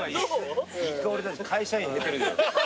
１回俺たち会社員できるよ。